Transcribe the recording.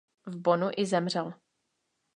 V Bonnu i zemřel.